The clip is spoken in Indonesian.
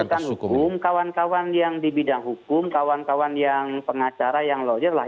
kalau untuk urutan hukum kawan kawan yang di bidang hukum kawan kawan yang pengacara yang lojong lah